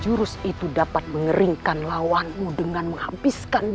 jurus itu bisa mengeringkan segala sesuatu yang basah di muka bumi ini